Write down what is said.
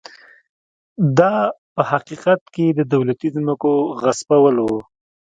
دا په حقیقت کې د دولتي ځمکو غصبول و.